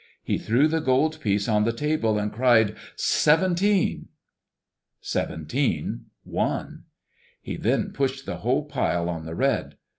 He threw the gold piece on the table and cried, "Seventeen!" Seventeen won. He then pushed the whole pile on the "red."